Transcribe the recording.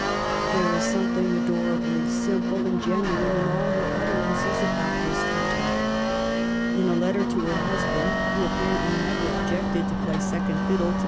There is something adorably sim ple and genuine in all her utterances about this time. In a letter to her husband (who apparently never objected to play second fiddle to M.